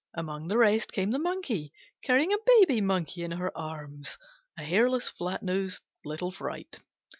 Among the rest came the Monkey, carrying a baby monkey in her arms, a hairless, flat nosed little fright.